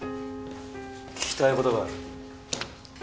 聞きたい事がある。